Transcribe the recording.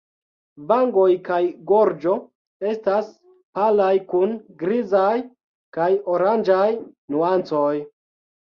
Vangoj kaj gorĝo estas palaj kun grizaj kaj oranĝaj nuancoj.